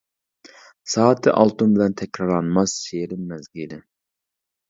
سائىتى ئالتۇن بىلەن تەكرارلانماس شېرىن مەزگىلى.